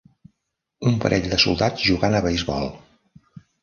Un parell de soldats jugant a beisbol.